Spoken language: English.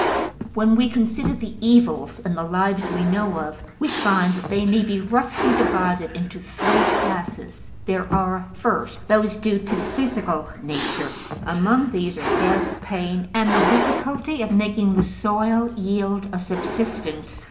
When we consider the evils in the lives we know of, we find that they may be roughly divided into three classes. There are, first, those due to physical nature: among these are death, pain and the difficulty of making the soil yield a subsistence.